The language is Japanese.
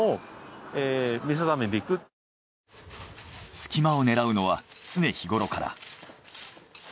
すき間を狙うのは常日頃から。